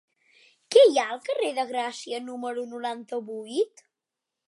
Què hi ha al carrer de Gràcia número noranta-vuit?